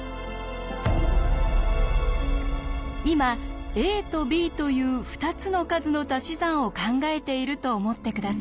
今ａとｂという２つの数のたし算を考えていると思って下さい。